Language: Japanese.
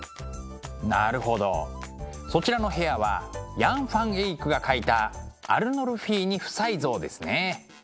なるほどそちらの部屋はヤン・ファン・エイクが描いた「アルノルフィーニ夫妻像」ですね。